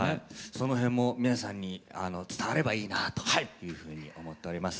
その辺も皆さんに伝わればいいなというふうに思っております。